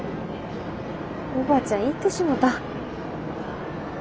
おばあちゃん行ってしもた。